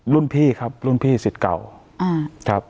รุ่นพี่ครับรุ่นพี่สิทธิ์เก่าครับ